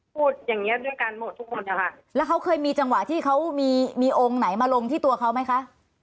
พูดอย่างเงี้ด้วยกันหมดทุกคนนะคะแล้วเขาเคยมีจังหวะที่เขามีมีองค์ไหนมาลงที่ตัวเขาไหมคะ